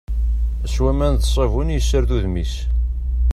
S waman d ssabun i yessared udem-is.